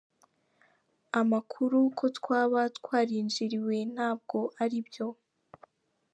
Amakuru ko twaba twarinjiriwe ntabwo ari yo.